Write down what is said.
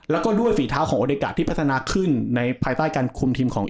แล้วก็ด้วยฝีเท้าของอเดกะที่พัฒนาขึ้นในภายใต้การคุมทีมของ